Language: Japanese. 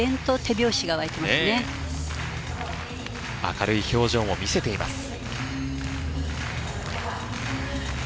明るい表情も見せています。